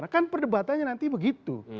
kan perdebatannya nanti begitu